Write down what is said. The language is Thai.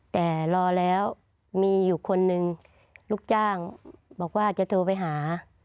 แต่รอแล้วมีอยู่คนนึงลูกจ้างบอกว่าจะโทรไปหา